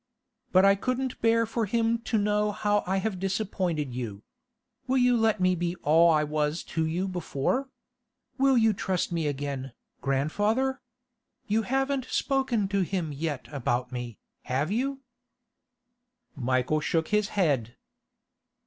But I couldn't bear for him to know how I have disappointed you. Will you let me be all I was to you before? Will you trust me again, grandfather? You haven't spoken to him yet about me, have you?' Michael shook his head.